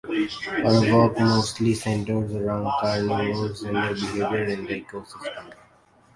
Her work mostly centers around carnivores and their behavior in ecosystems.